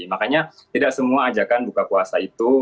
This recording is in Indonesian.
makanya tidak semua ajakan buka puasa itu